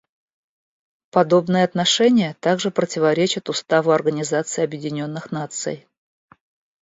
Подобное отношение также противоречит Уставу Организации Объединенных Наций.